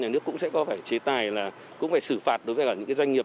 thế thì nước cũng sẽ có phải chế tài là cũng phải xử phạt đối với những doanh nghiệp